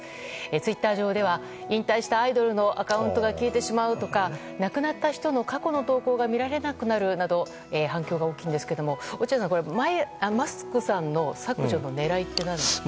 ツイッター上では引退したアイドルのアカウントが消えてしまうとか亡くなった人の過去の投稿が見られなくなるなど反響が大きいんですけれどもマスクさんの削除の狙いは何ですか？